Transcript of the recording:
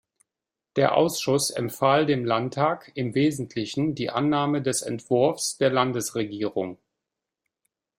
Der Ausschuss empfahl dem Landtag im Wesentlichen die Annahme des Entwurfes der Landesregierung.